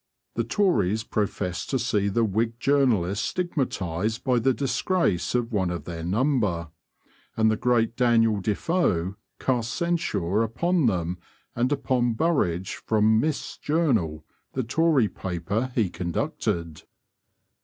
The Tories professed to see the Whig journalists stigmatised by the disgrace of one of their number, and the great Daniel Defoe cast censure upon them and upon Burridge from Mist's Journal, the Tory paper he conducted.